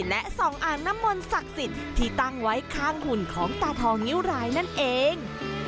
และส่องอ่างน้ำมนต์ศักดิ์สิทธิ์ที่ตั้งไว้ข้างหุ่นของตาทองนิ้วรายนั่นเอง